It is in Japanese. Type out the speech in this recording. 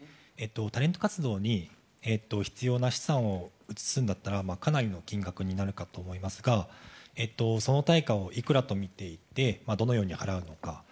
タレント活動に必要な資産を移すんだったらかなりの金額になるかと思いますがその対価をいくらと見ていてどのように払うのか。